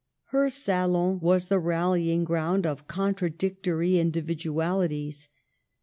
Her salon was the rally ing ground of contradictory individualities.